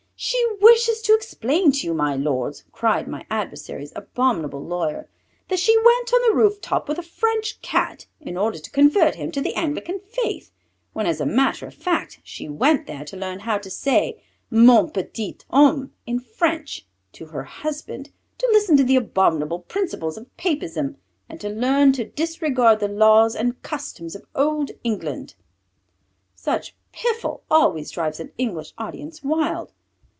"She wishes to explain to you, My Lords," cried my adversary's abominable lawyer, "that she went on the rooftop with a French Cat in order to convert him to the Anglican faith, when, as a matter of fact, she went there to learn how to say, Mon petit homme, in French, to her husband, to listen to the abominable principles of papism, and to learn to disregard the laws and customs of old England!" Such piffle always drives an English audience wild.